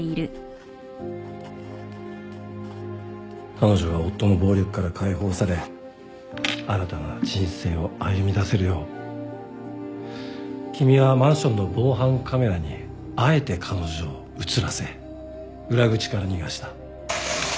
彼女が夫の暴力から解放され新たな人生を歩みだせるよう君はマンションの防犯カメラにあえて彼女を写らせ裏口から逃がした。